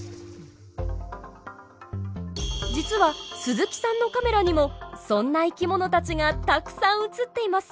実は鈴木さんのカメラにもそんな生き物たちがたくさん映っています。